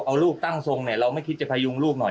ซ้ำทั้งตัวเลยมีรอยเต็มหมด